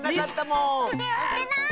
のってない！